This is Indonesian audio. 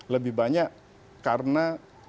lebih banyak karena